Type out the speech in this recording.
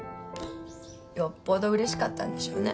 よっぽど嬉しかったんでしょうね。